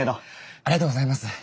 ありがとうございます。